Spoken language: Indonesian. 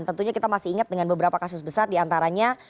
tentunya kita masih ingat dengan beberapa kasus besar diantaranya